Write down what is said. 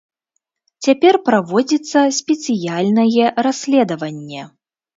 Цяпер праводзіцца спецыяльнае расследаванне.